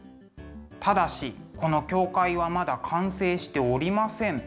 ただしこの教会はまだ完成しておりません。